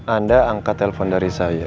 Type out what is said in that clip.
anda angkat telepon dari saya